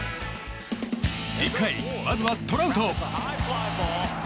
１回、まずはトラウト。